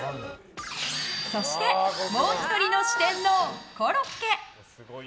そして、もう１人の四天王コロッケ。